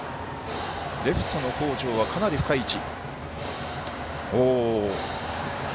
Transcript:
レフトの北條はかなり深いい位置。